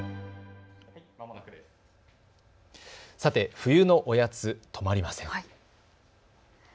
冬のおやつ、止まりません。